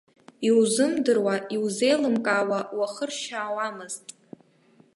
Иузымдыруа, иузеилымкаауа уахыршьаауамызт.